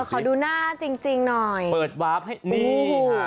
ขอดูหน้าจริงหน่อยเปิดวาร์ฟให้มูค่ะ